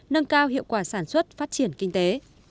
nâng cao hiệu quả sản xuất phát triển kinh tế